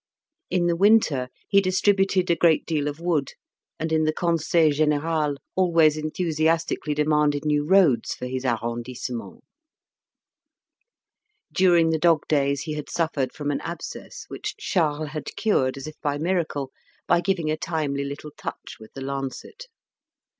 In the winter he distributed a great deal of wood, and in the Conseil General always enthusiastically demanded new roads for his arrondissement. During the dog days he had suffered from an abscess, which Charles had cured as if by miracle by giving a timely little touch with the lancet.